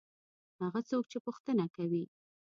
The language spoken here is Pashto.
هغه څوک چې پوښتنه کوي.